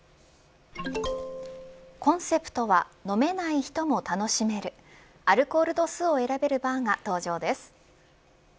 コンセプトは飲めない人も楽しめるアルコール度数を選べるバーが登場です。